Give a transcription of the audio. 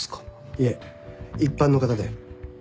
いえ一般の方で。